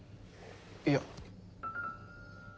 いや。